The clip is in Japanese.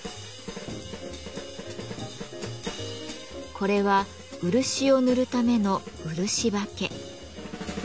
これは漆を塗るための「漆刷毛」。